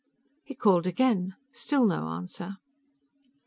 He called again. Still no answer.